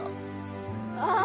ああ。